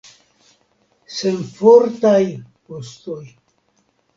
Senfortaj ostoj!